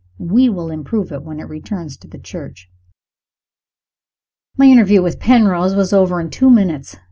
We will improve it when it returns to the Church. My interview with Penrose was over in two minutes.